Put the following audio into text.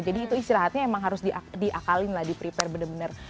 itu istirahatnya emang harus diakalin lah di prepare bener bener